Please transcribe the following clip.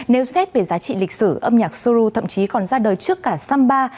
nếu xét về giá trị lịch sử âm nhạc sô lô thậm chí còn ra đời trước cả samba